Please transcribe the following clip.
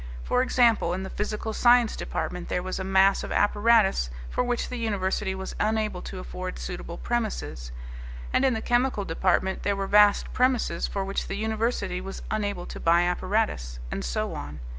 For example, in the physical science department there was a mass of apparatus for which the university was unable to afford suitable premises, and in the chemical department there were vast premises for which the university was unable to buy apparatus, and so on.